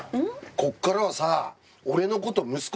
こっからはさ。